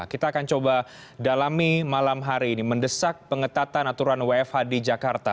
kita akan coba dalami malam hari ini mendesak pengetatan aturan wfh di jakarta